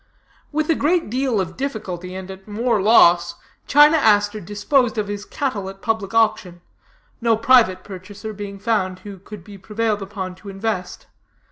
With a great deal of difficulty, and at more loss, China Aster disposed of his cattle at public auction, no private purchaser being found who could be prevailed upon to invest.